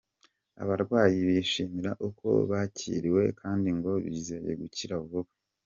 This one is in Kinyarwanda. Abarwayi bishimira uko bakiriwe kandi ngo bizeye gukira vuba.